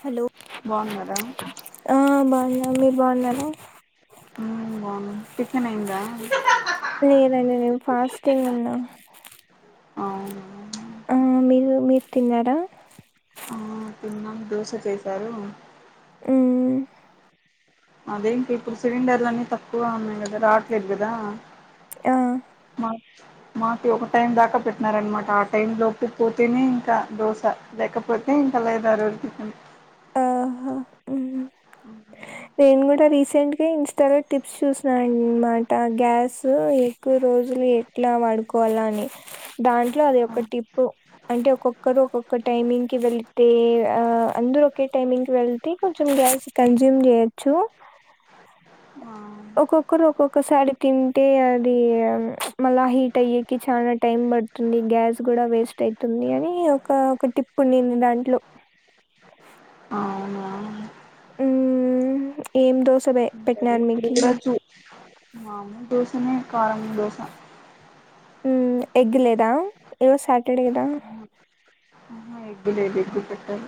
Hello బాగున్నారా ఆఁ బాగున్నా, మీరు బాగున్నారా? మ్మ్ బావున్నా టిఫిన్ అయ్యిందా? లేదండి నేను ఫాస్టింగ్ ఉన్నా అవునా ఆఁ మీరు, మీరు తిన్నారా? ఆ తిన్న దోశ చేశారు మ్ముఁ అదేంటి ఇప్పుడు సిలిండర్లు అన్నీ తక్కువ ఉన్నాయి కదా రావట్లేదు కదా? ఆ మాకు ఒక టైం దాకా పెట్టినార అన్నమాట ఆ టైమ్ లోపు పోతేనే ఇంకా దోశ లేక పోతే ఇంక లేదు ఆరోజు ఆహా మ్మ్ అవునా నేను గూడా రీసెంట్గా ఇన్స్టాలో టిప్స్ చూసిన అన్మాట గ్యాస్ ఎక్కువ రోజులు ఎట్లా వాడుకోవాలని, దాంట్లో అది ఒక టిప్పు. అంటే ఒక్కొక్కరు ఒక్కొక్క టైమింగ్ కి వెళ్తే ఆ అందరు ఒకే టైమింగ్ కు వెళ్తే కొంచెం కల్సి కంజుమ్ చేయొచ్చు ఆ, ఒక్కొక్కరు ఒక్కొక్కసారి తింటే అది ప్చ్ మళ్ళా హీట్ అయ్యేకి చాన టైమ్ బడుతుంది గ్యాస్ గూడా వేస్ట్ అయితుంది అని ఒక ఒక టిప్పు ఉండింది దాంట్లో. అ అవునా హ్ముఁ ఏం దోశెదే సరే పెట్ట్నాను ఇప్పుడు మీకి కూడా చూ మామూలు దోశనే కారం దోశ మ్ఁ ఎగ్ లేదా ఈరోజు సాటర్డే కదా! ఆ ఎగ్ లేదు ఎగ్ పెట్టరు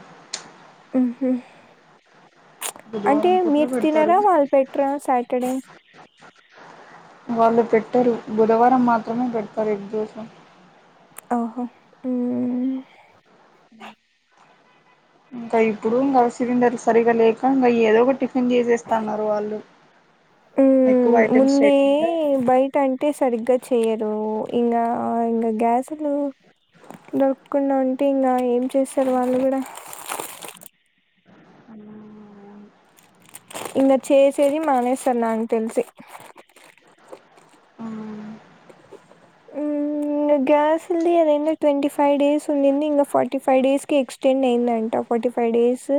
మ్మ్ హు ప్చ్ అంటే బుధవారం పూట్ల మీరు తినరా, పెడతారు వాళ్ళు పెట్రా సాటర్డే? వాళ్ళు పెట్టరు బుధవారం మాత్రమే పెడుతారు ఎగ్ దోస. ఓ హో హ్మూ ఇంకా ఇప్పుడు గా సిలిండర్ సరిగ్గా లేక ఇంగ ఏదో ఒక టిఫిన్ చేసేస్తున్నారు వాళ్ళు. మ్మ్ఁ ఎక్కువ ఐటమ్స్ చెయకుండా బయట అంటే సరిగ్గా చేయ్యరూ ఇంగా ఇంఖ గ్యాసులు దొరక్కకుండా ఉంటే ఇంగా ఏం చేస్తరు వాళ్ళు గూడ [inaudible] ఇంగ చేసేది మానేస్తున్న తెల్సి ఆఁ హ్మూఁ ఇంగ గ్యాస్ ఉంది కదా ఎందుక్ ట్వంటీ ఫైవ్ డేస్ ఉండింది, ఇంగ ఫార్టీ ఫైవ్ డేస్కి ఎక్స్ టెండ్ అయిందంట ఫార్టీ ఫైవ్ డేసూ,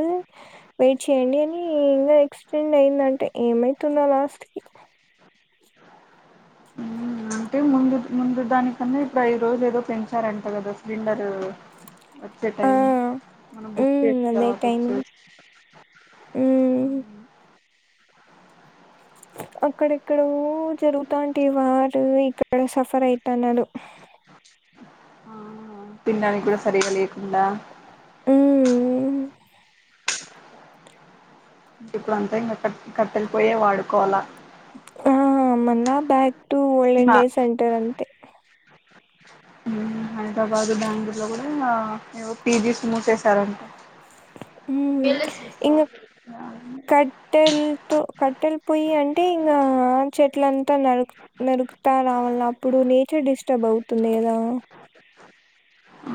వెయిట్ చేయండి అనీ ఇంగా ఎక్స్టెండ్ అయిందం ఏమైతుందో లాస్ట్ కి మ్మ్ అంటె ముందు ముందు దానికన్నా ఇప్పుడ ఐదు రోజులేదో పెంచారంట గద సిలిండరూ. వచ్చే ఆ టైం మనం బుక్ చేసిన్ తర్వాత వచ్చే ఊ అక్కడెక్కడో జరుగుతాంటే వారు ఇక్క క్కడ సఫర్ అయితన్నాడు. ఆహా తిన్డానికి గూడా సరిగా లేకుండా ఉమ్ [inaudible] ఇప్పుడు అంతా ఇంగా క కట్టలపోయే వాడుకోవాల ఆ మన్నా బ్యాక్ టు ఓల్డెన్ డేస్ అంటర్ అంతే ఉమ్ హైదరాబాదు బెంగళూరు లో కూడా ఏవో పీజీస్ మూసేశారంటా హ్మ్ ఇంగ కట్టెల్లతో కట్టెల్ పొయ్యి అంటే ఇంగ చెట్లంతా నరు నరుకుతా రావాల అప్పుడు నేచర్ డిస్టర్బ్ బౌతు ఉంది కదా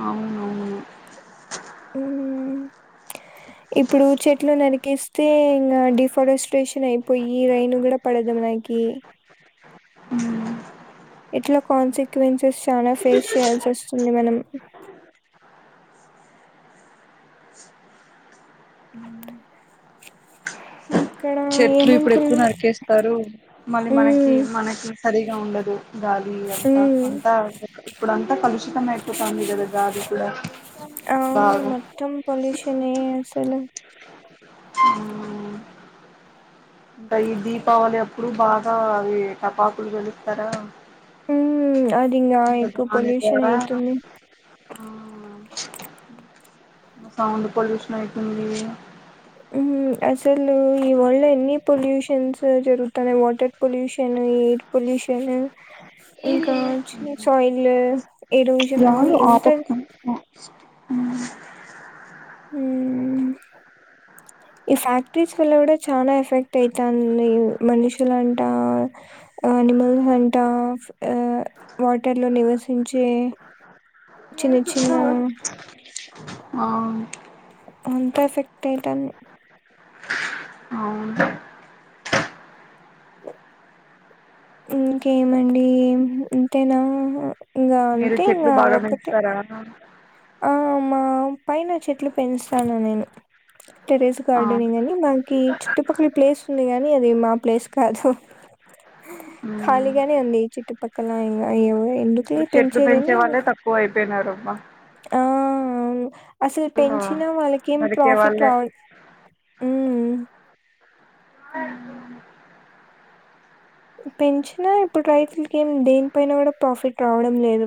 అవునవును ఇప్పుడూ చెట్లు నరికేస్తే ఇంగా డిఫారెస్ట్రేషన్ అయిపొయ్యి రైను గూడా పడదు. వినయ్ కి ఎట్లా కొన్సక్వెన్సస్ చనా ఫేస్ చేయాల్సి వస్తుంది మనం ఉమ్ హు చెట్లు ఇప్పుడు ఎక్కువ నరికేస్తారు మళ్ళీ మనకి మ్మ్ మనకి సరిగా ఉండదు గాలి ఈ అది అంతా మ్మ్ అంతా ఇప్పుడ అంతా కలుషితం అయిపోతంది కదా గాలి కూడా అవును బాగా మొత్తం పొల్యూషన్ ఏ అసలు ఉమ్ ఇంకా ఈ దీపావళి అప్పుడు బాగా అవి టపాకులు పేలుస్తారా ఉం అదింగా ఇంకా ఎక్కువ దాని పొల్యూషన్ ద్వారా అయితుంది సౌండ్ పొల్యూషన్ అయితుంది ఉమ్ అస్ అసలు ఈ వాళ్ళ ఎన్ని పొల్యూషన్స్ జరుగుతున్నాయి వాటర్ పొల్యూషన్ ఎయిర్ పొల్యూషన్ ఏది ఇంకా చి సాయిల్ ఎరోజన్ అన్ని ఎంత నక్స్ట్ ఉమ్ ఈ ఫ్యాక్ట్రస్ వల్ల గూడ చాలా ఎఫెక్ట్ అయితంది మనుషులంటా అనిమల్స్ అంటా ఆ వాటర్లో నివసించే చిన్న ఏదో చిన్న చుపదామా ఆ అంత ఎఫెక్ట్ అయితన్ అవును ఇంకేమండి అంతేనా ఇంకా అంతేనా అదొక్కటే అ హ ఆ మా పైన చెట్లు పెంచు తాన నేను టెరెస్ ఆ గార్డెనే గని మాకి చుట్టుపక్కల ప్లేస్ ఉంది గానీ అది మా ప్లేస్ కాదు మ్మ్ ఖాళీగానే ఉంది చుట్టుపక్కల ఇంగా ఎందుకులే పెంచేదిని నా రొబ అవును అసలు ఆ పెంచినా వాళ్ళకేం నరికే ప్రాఫిట్ వాళ్ళే రావ ఉమ్ [inaudible] పెంచినా ఇప్పుడు రైతులకి ఏం దేనిపైన కూడా ప్రాఫిట్ రావడం లేదు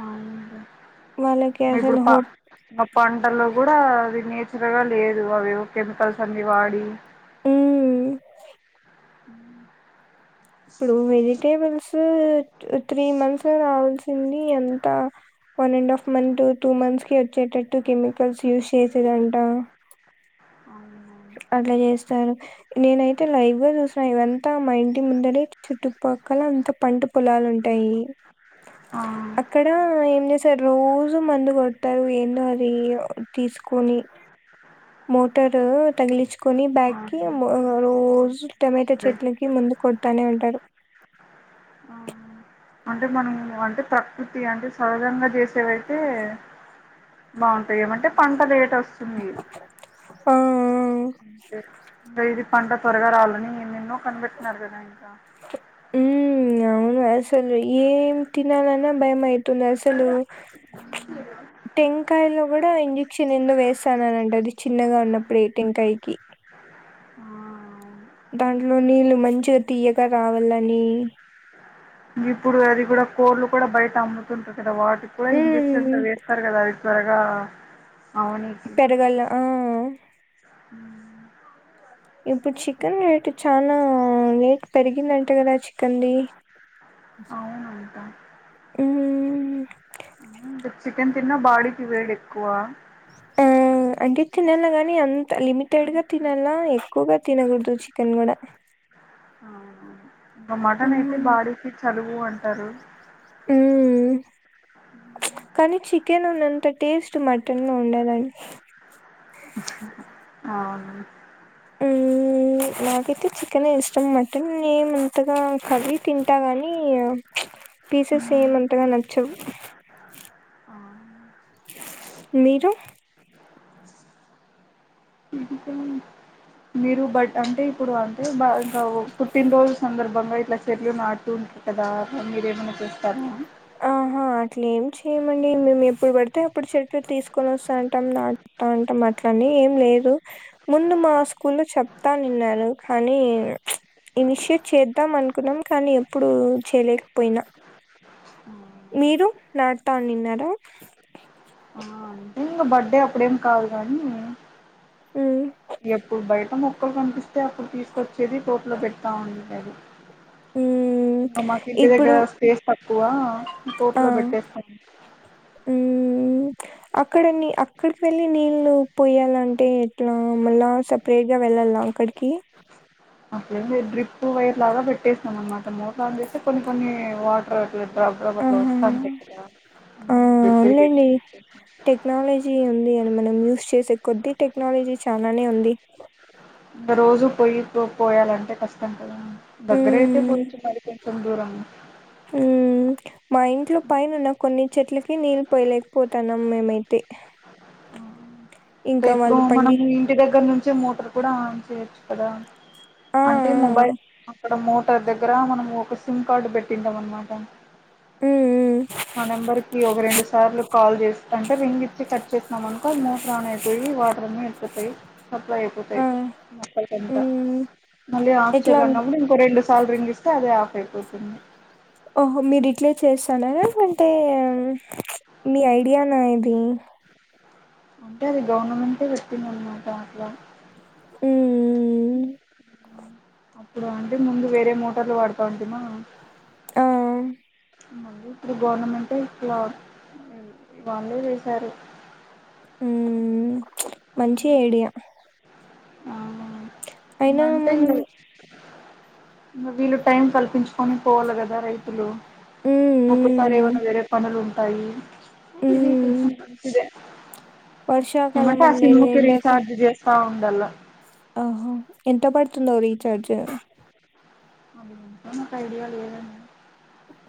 అవునండి వాళ్ళకి మీ ఇప్పుడు అసలు హోప్ మా పంటల్లో కూ డా అవి నేచురల్ గా లేదు అవివో కెమికల్స్ అన్ని వాడి ఉమ్ ఉ ఇప్పుడు వెజిటేబుల్స్ త్రీ మంత్స్ రావాల్సింది ఎంత one and half month two months కి వచ్చేటట్టు కెమికల్స్ యూజ్ చేసేదంట అవునవును అట్లా చేస్తారు నేనైతే లైవ్ గా చూసిన ఇవంతా మా ఇంటి ముందనే చుట్టుప పక్కళ అంత పంట పొలాలు ఉంటాయి ఆ అక్కడ ఏం చేసారు రోజు రోజు మందు కొడతారు ఏందో అది తీసుకొని మోటర్ తగిలిచ్చు కొని బ్యాగ్ కి అవును రోజు టమాటా అదే చెట్నికి ముందు కొడతానే ఉంటారు. ఆ అ అంటే మనం అంటే ప్రకృతి అంటే సహజంగా చేసేవైతే బాగుంటాయి ఏమంటే పంట లేట్ వస్తుంది. ఆ ఆ ఇది పంట త్వరగా రావాలని ఏనేన్నో కనిపెట్టిన్నారు కదా ఇంకా హ్మ్. అవును. అసలు ఏం తినాలన్నా భయం అయితుంది. అసలు టెంకాయలో కూడా ఇంజెక్షన్ ఎందో వేస్తారంనటా కదా చిన్నగా ఉన్నప్పుడు టెంకాయికి ఆ అవును దాంట్లో నీళ్లు మంచిగా తీయ్యగా రావాలని కోళ్లు కూడా బయట అమ్ముతుంటారు. కదా వాటికి కూడా ఇంజెక్షన్స్ హ్మ్. వేస్తారు. కదా అది త్వరగా అవనికి పెరగాల ఆ ఇప్పుడు చికెన్ రేటు చాలా రేట్ పెరిగిందంటే కదా చికెన్ ది అవునంట ఉమ్ ఇంకా చికెన్ తిన్నా బాడీకి వేడి ఎక్కువ ఉమ్ అంటే తినాలి గానీ అం లిమిటెడ్ గా తినాలా ఎక్కువగా తినకూడదు. చికెన్ కూడా అవునవును ఇంకా మటన్ అయితే హ్మ్. బాడీకిి చలువు అంటారు. హ్మ్. చికెన్లో ఉన్నంత టేస్ట్ మటన్ ఉండదండి. అవును మ్ నాకైతే చికెన్ యే ఇష్టం. మటన్ ఏం అంతగా కర్రి తింటా గాని పీసెస్ ఏమంతగా నచ్చవు. ఆ మీరు ఇది దామ్ మీరు బట్ అంటే ఇప్పుడు అంటే బ ఇంకా పుట్టిన రోజు సందర్భంగా ఇట్లా చెట్లు నాటుతూ ఉంటరు కదా అ మీరేమైనా చేస్తారా ఆ ఆహా అట్లే ఏం చేయమండి మేము ఎప్పుడు పడితే అప్పుడు చెట్లు తీసుకొని వస్తా ఉంటాం నాట్ తావుంటాం అట్లాని ఏం లేదు. ముందు మా స్కూలో చెప్తానీన్నారు కానీ చ్చ్ ఇనిషియేట్ చేద్దాం అనుకున్నాం కానీ ఎప్పుడు చేయలేకపోయినా మీరు నాడతా ఉనిన్నారా? హా అంటే ఇంకా బర్త్డే అప్పుడేం కాదు. కానీ ఉమ్ ఎప్పుడు బయట మొక్కలు కనిపిస్తే అప్పుడు తీసుకొచ్చేది తోట్లో పెడతా ఉండేది. మ్మ్ [inaudible] ఇంకా మాకు ఇంటి దగ్గర ఇప్పుడు స్పేస్ తక్కువ తోట్లో పెట్టేస్తాను. ఉమ్ అక్కడ నీ అక్కడికి వెళ్ళి నీళ్ళు పోయాలంటే ఎట్లా మళ్ళా సపరేట్ గా వెళ్ళాలా అక్కడికి అట్లేంలేదు డ్రిప్ వైర్ లాగా పెట్టేసము. అన్నమాట మోటార్ అన్ తీసి కొన్ని కొన్ని వాటర్ [unintelligible] ఆహా వస్తుంటాయి గదా ఆ అవునులేండి టెక్నాలజీ ఉంది. అని మనకు యు చేసే కొద్ది టెక్నాలజీ చాలానే ఉంది. ఇంకా రోజూ పోయి పోయాలంటే కష్టం కదా. దగ్గరైతే మ్మ్ పోయొచ్చు మరి కొంచెం దూరం మ్మ్ మా ఇంట్లో పైన ఉన్న కొన్ని చెట్లకి నీళ్ళు పోయలేకపోతన్నాం మేమైతే ఆ అవ్ ఇంక ఇంకా ఇప్పుడు వాళ్ళు పండి మనము ఇంటి దగ్గర నుం చ్చే మోటర్ కూడా ఆన్ చేయొచ్చు కదా ఆ ఆ అంటే మొబైల్ అక్కడ మోటార్ దగ్గర మనం ఒక సిమ్ కార్డు పెట్టింటాం అన్నమాట ఉమ్ మ్ ఆ నంబర్ కి ఒక రెండు సార్లు కాల్ చేస్తంటే రింగ్ ఇచ్చి కట్ చేసినాం అనుకో అ మోటార్ ఆన్ అయిపోయి వాటర్ అన్ని వెళ్ళిపోతాయి సప్లై అయిపోతాయి ఆ మొక్కలకంతా మ్మ్ మళ్ళీ ఆఫ్ ఎట్లా చేయలన్నప్పుడు ఇంకో రెండు సాల్ రింగ్ ఇస్తే అదే ఆఫ్ అయిపోతుంది ఓహో మీరు ఇట్లే చేస్తన్నారా లేఅంటే మీ ఐడియానా ఇది అంటే అది గవర్నమెంటే చెప్పింది అనమాట అట్లా ఉమ్ మ్ మ్ అప్పుడు అంటే ముందు వేరే మోటార్లు వాడతా ఉంటిమా ఆ మళ్ళీ ఇప్పుడు గవర్నమెంటె ఇట్లా వాళ్ళే చేసారు ఉమ్ మంచి ఐడియా అవును ఇంగ అయినా అంటే మనం ఇంగ ఇంగ వీళ్ళు టైం కల్పించుకొని పోవాల కదా రైతులు ఉమ్ ఒక్కసారి ఎవనా ఉమ్ వేరే పనులు ఉంటాయి ఇది కొంచం ఉమ్ మంచిదే వర్షాకాలం ఏమంటే ఆ అని సిమ్ లేదు కి ఎండాక రీచార్జ్ చేస్తా ఉండాల ఆహా ఎంత పడుతుందో రీచార్జ్ అది అంతా నాకు ఐడియా లేదండి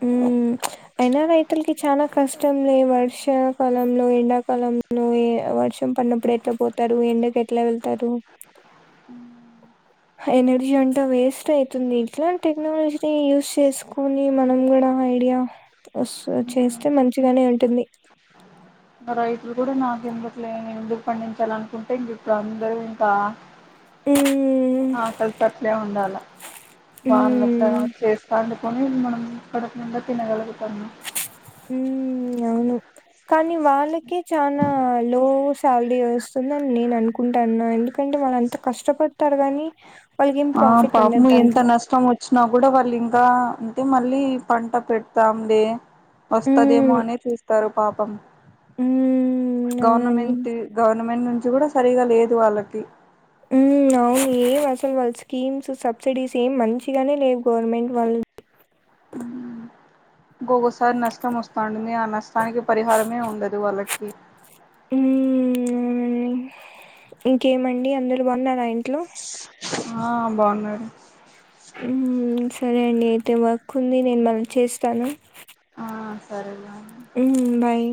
ఉమ్ అయినా రైతుల్కి చానా కష్టం లే వర్షాకాలంలో ఎండాకాలంలో వర్ష ర్షం పడినప్పుడు ఎట్లా పోతారు ఎండకు ఎట్లా వెళ్తారు ఉమ్ ఎనర్జీ అంట వేస్ స్ట్ అవుతుంది ఇట్లా టెక్నాలజీని యూజ్ చేసుకొని మనం కూడా ఐడియా వస్ చేస్తే మంచిగానే ఉంటుంది మ వాళ్ళు కూడా నాకు ఎందుకు లే ఎందుకు పండించాల అనుకుంటే ఇంక ఇప్పుడు అందరు ఇంకా ఉమ్ ఆకలితో అట్లే ఉండాల వాళ్ళ అట్లా హ్మ్. చేస్తాను కొని మనం కడుపునిండా తినగలుగుతన్నాం ఉమ్ అవును కానీ వాళ్ళకే చానా లో శాలరీ వస్తుం ది నేను అనుకుంటాన ఎందుకంటే వాళ్ళు అంత కష్టపడతారు గాని ఆ పాపము ఎంత నష్టం వచ్చినా కూడా వాళ్ళు ఇంకా అయితే మళ్ళీ పంట పెడతాం లే వస్తదేమో అని చూస్తారు పాపం ఉమ్ గవర్నమెంట్ గవర్నమెంట్ నుంచి కూడా సరిగా లేదు వాళ్ళకి హ్మ్. అవును ఏం అసలు వాళ్ళ స్కీమ్స్ సబ్సిడీస్ ఏం మంచిగానే లేవు గవర్నమెంట్ వాళ్ ఉమ్ ఇంగగోసారి నష్టం వస్తాంటుంది ఆ నష్టానికి పరిహారమే ఉండదు వాళ్ళకి ఉమ్మ్ మ్ ఇంకేమండి అందరు బన్నారా ఇంట్లో ఆ బన్నారు ఉమ్ సరే అండి అయితే వర్క్ ఉంది నేను మల్ చేస్తాను సెరెనా ఉమ్ బాయ్